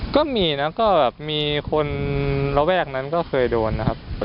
ก็มีนะก็แบบมีคนระแวกนั้นก็เคยโดนนะครับ